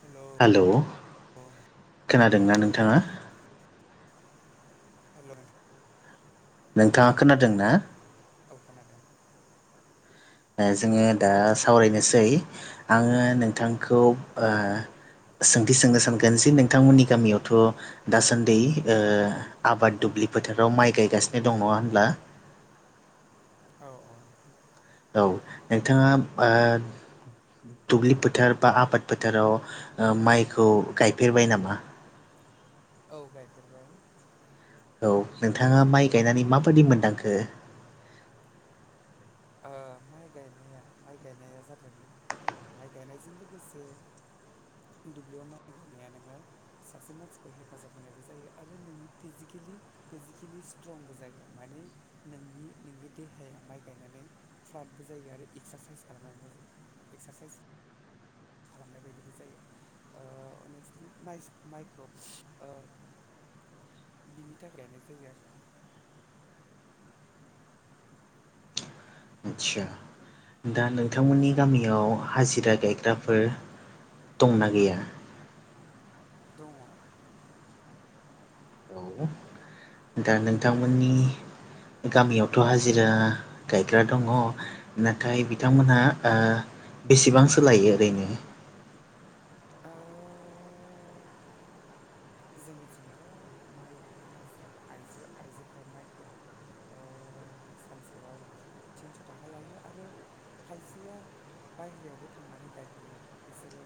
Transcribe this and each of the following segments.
हेल' hello hello खोनादोंना नोंथाङा hello नोंथां नोंथाङा खोनादों ना औ खोनादों जोङो दा सावरायनोसै आङो नोंथांखौ सोंथि सोंनो सानगोन जे नोंथांमोननि गामियावथ' दासान्दै आबाद दुब्लि फोथाराव माइ गायगासिनो दं नङा होनब्ला औ औ औ नोंथाङा दुब्लि फोथार बा आबाद फोथाराव माइखौ गायफेरबाय नामा औ गायफेरबाय औ नोंथाङा माइ गायनानै माबायदि मोनदांखो माइ गायनाया माइ गायनाया जादों माइ गायनायजों लोगोसे दुब्लियाव माइ गायनाया नोङो सासे मानसिखौ हेफाजाब होनायबो जायो आरो नोंनि फिजिकेलि फिजिकेलि स्ट्रंबो जायो माने नोंनि नोंनि देहाया माइ गायनानै फ्राटबो जायो आरो एक्सारसाइस खालामनानै एक्सारसाइस खालामनाय बायदिबो जायो अनेस्टलि मास माइखौ बिनि थाखाय गायनाय जायो आरो आदसा दा नोंथांमोननि गामियाव हाजिरा गायग्राफोर दंना गैया दङ [unintelligible] दा नोंथांमोननि गामियावथ' हाजिरा गायग्रा दङ नाथाय बिथांमोनहा बेसेबांसो लायो ओरैनो ओ जोंनिथिंथ' माइ गायग्रा हाजिरा आइजो आइजोफ्रा माइखौ सानसेयाव थिनस' थाखा लायो आरो खायसेया बायहेरायावबो थांनानै गायहैयो बिसोरो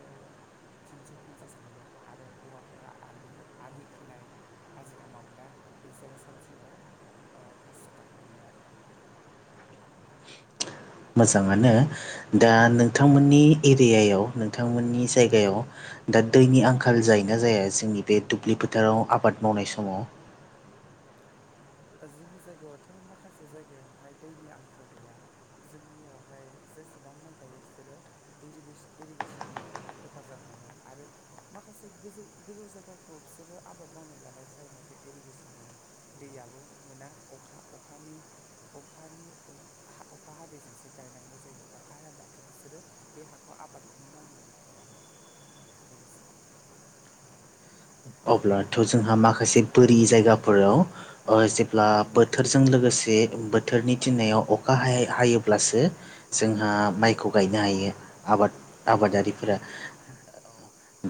थिनस' पन्सास मोनो आरो हौवाफ्रा आलि आलि खोनाय हाजिरा मावो ना बिसोरो सानसेयाव फासस' थाखा मोनो आरो मोजाङानो दा नोंथांमोननि एरियायाव नोंथांमोननि जायगायाव दा दैनि आंखाल जायोना जाया जोंनि बे दुब्लि फोथाराव आबाद मावनाय समाव जोंनि जायगायावथ' माखासे जायगायावहाय दैनि आंखाल गैया जोंनियावहाय जेसेबां माइ गायो बिसोरो इरिगेस इरिगेसननि हेफाजाब मोनो आरो माखासे गोजौ गोजौ जायगाखौ बिसोरो आबाद मावनो लानाय टाइमाव इरिगेसन दै आबो मोना अखा अख अख अखा हादैजोंसो गायनांगौ जायो अख हायाब्लाथ' बिसोरो बे हाखौ आबादखौनो मावनो मोनखाया बेनोसै अब्लाथ' जोंहा माखासे बोरि जायगाफोराव ओ जेब्ला बोथोरजों लोगोसे बोथोरनि थिननायाव अखा हा हायोब्लासो जोंहा माइखौ गायनो हायो आबाद औ आबादारिफोरा औ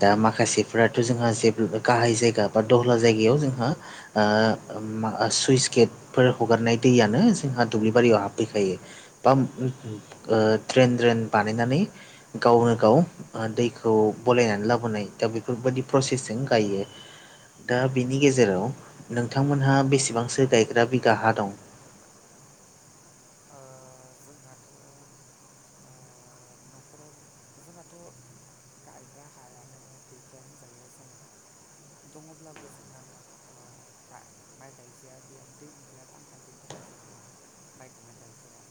दा माखासेफोराथ' जोंहा जेब्ला गाहाय जायगा बा दहला जायगायाव जोंहा म सुइस गेट फोर हगारनाय दैयानो जोंहा दुब्लि बारियाव हाबफैखायो बा ओ ड्रेन ड्रेन बानायनानै गावनो गाव दैखौ बलायनानै लाबोनाय दा बेफोरबायदि प्रसेसजों गायो दा बिनि गेजेराव नोंथांमोनहा बेसेबांसो गायग्रा बिगा हा दं ओ जोंहाथ' आ नखराव जोंहाथ' गायग्र् हायानो गैया होनजायो जोंना दङब्लाबो जोंना ओ माख माइ गायजाया बेयाव दैनि बिराद आंखाल बेनि थाखाय मफ्राय जोंहा जान गायखाया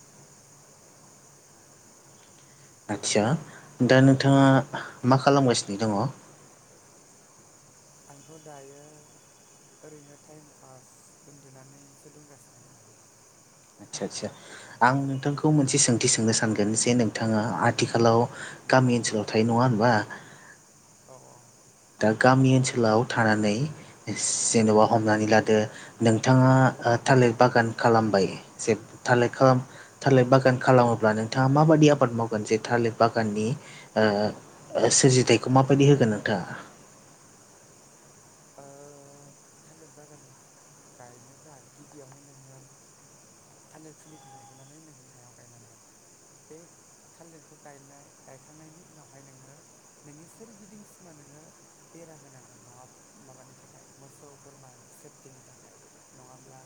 आचसा दा नोंथाङा मा खालामगासिनो दङ आंथ' दायो ओरैनो टाइम पास उन्दुनानैसो दंगासिनो दङ आदसा आदसा आं नोंथांखौ मोनसे सोंथि सोंनो सानगोन जे नोंथाङा आथिखालाव गामि ओनसोलाव थायो नङा होनबा औ औ दा गामि ओनसोलाव थानानै जेन'बा हमनानै लादो नोंथाङा थालिर बागान खालामबाय जे थालिर खालाम थालिर बागान खालामोब्ला नोंथाङा माबाददि आबाद मावगोन जे थालिर बागाननि सोरजिथायाइखौ माबायदि होगोन नोंथाङा थालिर बागान गायनोब्ला गिबियावनो नोङो थालिर फुलिखौ लायबोनानै नोंनि हायाव गायनांगोन बे थालिरखौ गायनाय गायखांनायनि उनावहाय नोङो नोंनि सोरगिदिं सिमा नोङो बेरा होनांगोन नङाब्ला माबानि थाखाय मोसौ फोरोरमानि सेफटिनि थाखाय नङाब्ला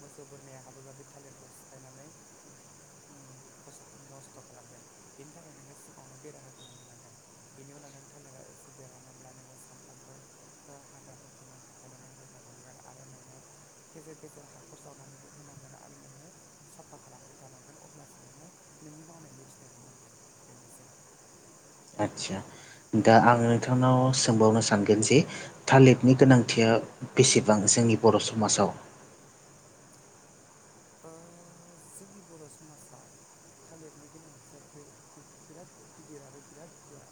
मोसौ बोरमाया हाबोब्ला बे थालिरखौ सिफायनानै नस्थ' खालामगोन बेनि थाखाय नोङो सिगाङावनो बेरा होगोनानै जानांगोन बेनि उनाव नों थालिरा एसे देरहङोब नोङ सानफ्र हाग्राफोरखौ हाबनानै होबाय थानांगोन आरो नोङो गेजेर गेजेर ह नखर जावनानैबो होनांगोन आरो नोङो साफा खालामबाय थानांगोन अब्लासो नोङो नोंनि मावनायनि फिथाइखौ मोनगोन बेनोसै आदसा दा आं नोंथांनाव सोंबावनो सानगोन जे थालिरनि गोनांथिया बेसेबां जोंनि बर' समाजाव जोंनि बर' समाजाव थालिरनि गोनांथिया बिराद गिदिर आरो बिराद गुवार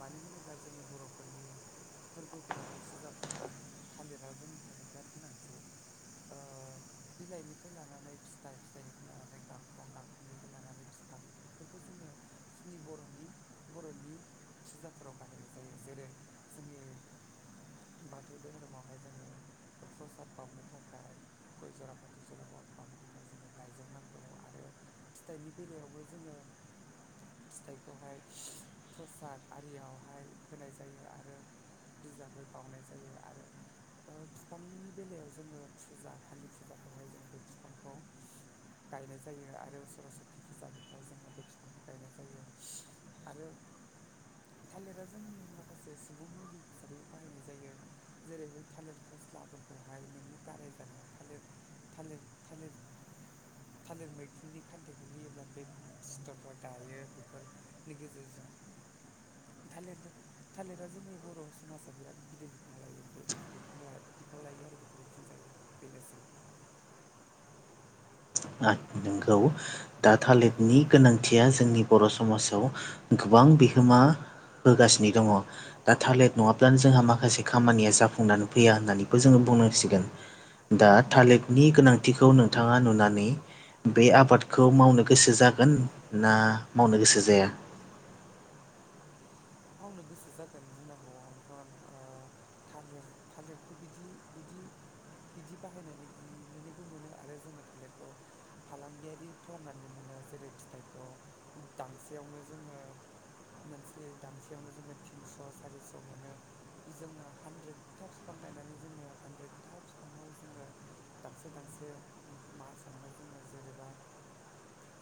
मानो होनोब्ला जोंनि बर'फोरनि फोरबोफ्राव फुजाफ्राव थालिरा जोंनि थाखाय बिराद गोनांथि बिलाइनिफ्राय फ्राय लानानै फिथाइ फिथाइनिफ्राय लानानै गांखं गांखंनिफ्राय लानानै बिफां बेफोरखौ जोङो जोंनि बर'नि बर'नि फुजाफोराव बाहायनाय जायो जेरै जोंनि बाथौ धोहोरोमावहाय जोङो प्रसाद बावनो थाखाय गय जरा फाथि गसराब बामनो थाखाय जोंङनो लाइजौनांगौ आरो फिथाइनि बेलायावबो जोङो फिथाइखौहाय प्रसाद आरियावहाय होनाय जायो आरो। बिजाबै बावनाय जायो आरो। बिफांनि बेलायाव जोङो फुजा खालि फुजाफ्रावहाय जोङो बे बिफांखौ गायनाय जायो आरो सरसति फुजा बेफोराव जोङो बे बिफांखौ गायनाय जायो। आरो थालिरा जोंनि माखासे सुबुं मुलि हिसाबैबो बाहायनाय जायो। जेरै बै थालिर फस्लाफोरखौहाय नोंनि गाराय जानायाव थालिर थालिर थालिर थालिर मैखुननि खान्थाइखौ होयोब्ला बे सिथरफा दायो बेफोरनि गेजेरजों थालिर थालिरा जोंनि बर' समाजाव बिराद गिदिर बिफां लायो। बे बिफां ला बिफाव लायो आरो बेखौनो बुंजायो। बेनोसै। [inaudible] [unintelligible] नोंगौ। दा थालिदनि गोनांथिया जोंनि बर' समाजाव गोबां बिहोमा होगासिनो दङ। दाथालिद नङाब्लानो जोंहा माखासे खामानिया जाफुंनानै फैया होननानैबो जोङो बुंनांसिगोन। दा थालिदनि गोनांथिखौ नोंथाङा नुनानै बे आबादखौ मावनो गोसो जागोन ना मावनो गोसो जाया? मावनो गोसो जागोन बुंनांगौथ' ओ थालिर थालिरखौ बिदि बिदि। बिदि बाहायनानै गिनानैबो मोनो आरो जोङो थालिरखौ फालांगियारि खालामनानैबो मोनो जेरै फिथाइखौ दांसेयावनो जोङो मोनसे दांसेयावनो जोङो थिनस' सारिस' मोनो। जोङो हानद्रेदथा बिफां गायनानै जोङो हानद्रेदथा बिफाङाव जोङो दांसे दांसे मा सावनो जोङो जेनेबा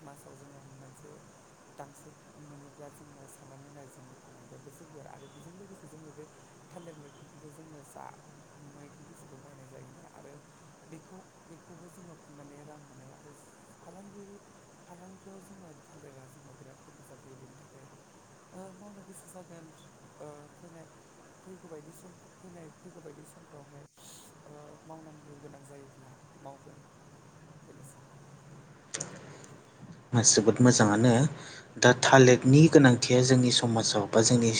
मासाव जोङो मोनसे दांसि मोनोब्ला जोङो साननानै नाय जोंङो फालांगिया बेसे गुवार आरो बेजों लोगोसे जोङो बे थालिर मैखुनखौबो जोङो जा मैगं [unintelligible] बायनाय जायोना आरो बेखौ बेखौबो जोङो फाननानै रां मोनो आरो फालांगिरि फालांगियाव जोङो थालिरा जोंनाव बिराद हेफाजाब होयो। बेनि थाखाय ओ मावनो गोसो जागोन ओ फैनाय फैगौ बादि सम फैनाय फैगौ बायदि समफ्रावहाय ओ मावनांगौ गोनां जायोब्ला मावगोन बेनोसै। जोबोद मोजाङानो दा थालिदनि गोनांथिया जोंनि समाजाव बा जोंनि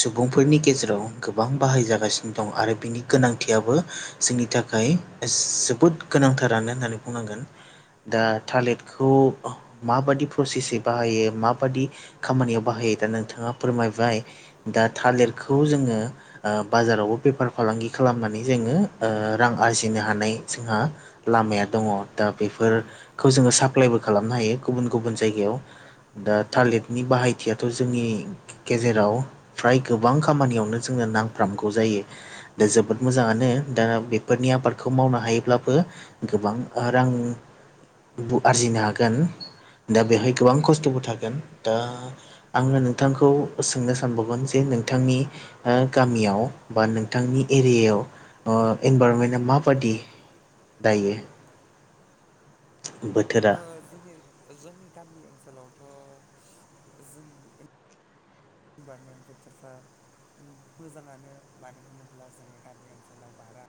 सुबुंफोरनि गेजेराव गोबां बाहाय जागासिनो दं आरो बिनि गोनांथियाबो जोंनि थाखाय जोबोद गोनांथारानो होननानै बुंनांगोन दा टालिदखौ माबादि प्रसेसै बाहायो माबादि खामानियाव बाहायो दा नोंथाङा फोरमायबाय दा थालिरखौ जोङो ओ बाजारावबो बेफार फालांगि खालामनानै जोङो ओ रां आरजिनो हानाय जोंहा लामाया दङ दा बेफोरखौ जोङो साप्लायबो खालामनो हायो गुबुन गुबुन जायगायाव ओ दा थालिटनि बाहायथियाथ' जोंनि गेजेराव फ्राय गोबां खामानियावनो जोंनो नांफ्रामगौ जायो। दा जोबोद मोजाङानो दा बेफोरनि आबादखौ मावनो हायोब्लाबो गोबां रां बु आरजिनो हागोन। गोन दा बेवहाय गोबां खस्थ'बो थागोन दा। आङो नोंथांखौ सोंनो सानबावगोन। जे नोंथांनि ओ गामियाव बा नोंथांनि एरियायाव ओ इनभारमेनआ माबादि दायो? बोथोरा ओ जोंनि जोंनि गामि ओनसोलावथ' जों इबारमेन्ट बोथोरफ्रा मोजाङानो मानो होनोब्ला जोंनि गामि ओनसोलाव बारा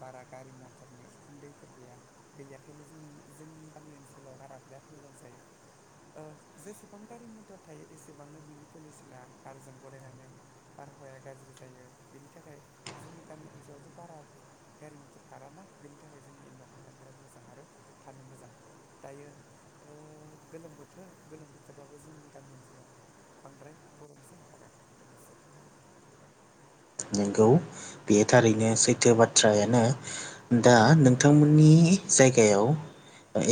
बारा गारि मथरनि उखुन्दैफोर गैया। गैयाखायनो जों जोंनि गामि ओनसोलाव बारा बिराद मोजां जायो। जेसेबां गारि मटर थायो। एसेबांनो बिनि पलिसना बारजों गलायनानै बारहावाया गाज्रि जायो। बेनि थाखाय जोंनि गामि ओनसोलावथ' बारा गारि मथर खाराना बेनि थाखाय जोंनि इनभाइरमेन्टआ बिराद मोजां आरो थानो मोजां दायो गोलोम बोथोर गोलोम बोथोरबाबो जोंनि गामि ओनसोलाव बांद्राय गरम जाया आरो बेनोसै नंगौ बे थारैनो सैथो बाथ्रायानो दा नोंथांमोननि जायगायाव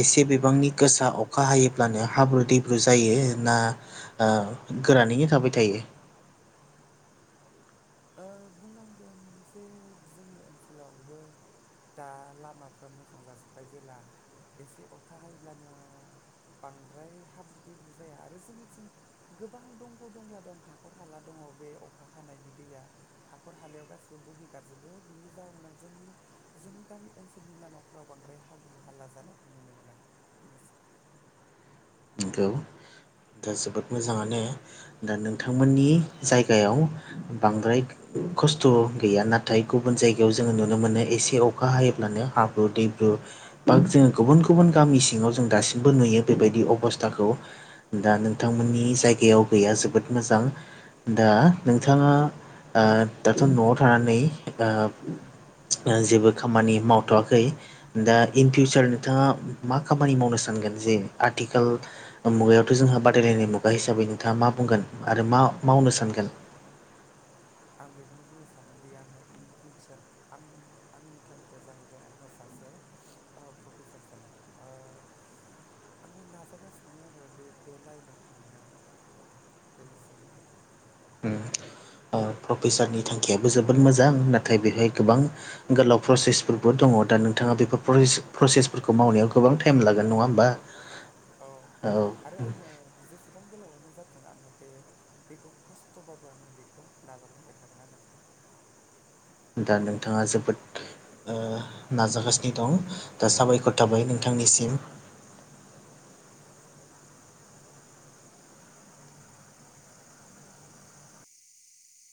एसे बिबांनि गोसा अखा हायोब्लानो हाब्रु दैब्रु जायो ना गोरानैनो थाबाय थायो। बुंनांगोन जे जोंनि ओनसोलावबो दा लामाफ्रा मोजां जाजोब्बाय जेला एसे अखा हायोब्लानो बांद्राय हाब्रु दैब्रु जाया आरो जोंनिथिं गोबां दंग' दंला दं हाखर हाला दंङो बे अखा हानायनि दैया हाखर हालायाव गासैबो बोहैगारजोबो बिनि जाउनाव जोंनि जोंनि गामि ओनसोलनि लामाफोराव बांद्राय हाब्रु हाला जानायखौ नुनो मोना बेनोसै नंगौ दा जोबोद मोजांङानो दा नोंथांमोननि जायगायाव बांद्राय खस्थ' गैया नाथाय गुबुन जायगायाव जोंङो नुनो मोनो एसे अखा हायोब्लानो हाब्रु दैब्रु बा जोंङो गुबुन गुबुन गामि सिङाव जों दासिमबो नुयो बेबायदि अबस्था थाखौ दा नोंथांमोननि जायगायाव गैया जोबोद मोजां दा नोंथांङा दाथ' न'आव थानानै जेबो खामानि मावथ'वाखै दा इन फिउचार नोंथांङा मा खामानि मावनो सानगोन जे आथिखाल मुगायावथ' जोंहा बादायलायनाय मुगा हिसाबै नोंथांङा मा बुंगोन आरो मा मावनो सानगोन आं बेखौनो बुंनो सानोदि आंङो इन फिउचार आं आंनि थांखिया जाहैबाय आंङो सासे प्रफेसार जानाय आंङो नाजागासिनो आरो बे बे लाइनाव थांनो बेनोसै प्रफेसारनि थांखियाबो जोबोद मोजां नाथाय बेवहाय गोबां गोलाव प्रसेसफोरबो दंङो दा नोंथांङा बेफोर प्रसेसफोरखौ मावनायाव गोबां टाइम लागोन नंङा होमबा [unintelligible] औ औ आरो आंङो जेसेबां गोलावानो जाथों आंङो बे बेखौ खस्थ'बाबो आंङो बेखौ नाजालांबाय थागोन आरो दा नोंथांङा जोबोद नाजागासिनो दं दा साबायखर थाबाय नोंथांनिसिम